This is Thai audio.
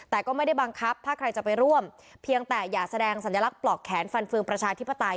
แต่ก็ไม่ได้บังคับถ้าใครจะไปร่วมเพียงแต่อย่าแสดงสัญลักษณ์ปลอกแขนฟันเฟืองประชาธิปไตย